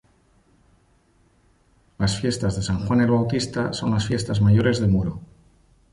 Las fiestas de San Juan el Bautista son las fiestas mayores de Muro.